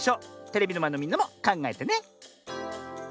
テレビのまえのみんなもかんがえてね。